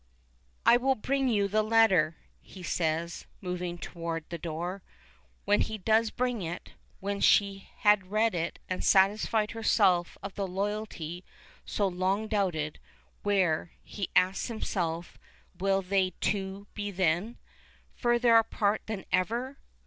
"I will bring you the letter," he says, moving toward the door. When he does bring it when she had read it and satisfied herself of the loyalty so long doubted, where, he asks himself, will they two be then? Further apart than ever?